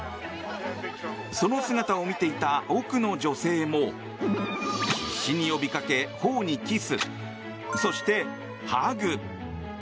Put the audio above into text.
その姿を見ていた奥の女性も必死に呼びかけ頬にキス、そしてハグ。